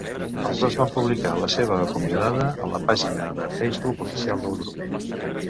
Els dos van publicar la seva acomiadada en la pàgina de Facebook oficial del grup.